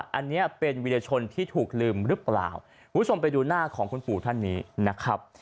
อันนี้เป็นวิทยาชนที่ถูกลืมหรือเปล่าคุณผู้ชมไปดูหน้าของคุณปู่ท่านนี้นะครับ